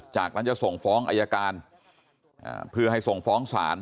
จากนั้นจะส่งฟ้องอายการเพื่อให้ส่งฟ้องศาล